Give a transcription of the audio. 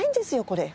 これ。